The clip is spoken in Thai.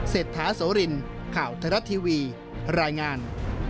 เศรษฐาโสรินข่าวไทยรัฐทีวีรายงาน